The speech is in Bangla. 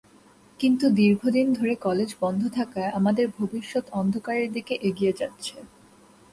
কিন্তু দীর্ঘদিন ধরে কলেজ বন্ধ থাকায় আমাদের ভবিষ্যৎ অন্ধকারের দিকে এগিয়ে যাচ্ছে।